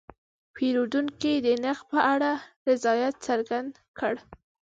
پیرودونکی د نرخ په اړه رضایت څرګند کړ.